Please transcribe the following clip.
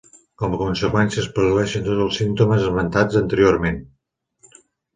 Com a conseqüència, es produeixen tots els símptomes esmentats anteriorment.